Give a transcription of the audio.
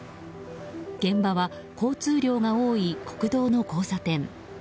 現場は交通量が多い国道の交差点。